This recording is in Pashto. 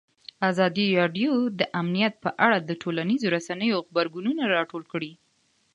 ازادي راډیو د امنیت په اړه د ټولنیزو رسنیو غبرګونونه راټول کړي.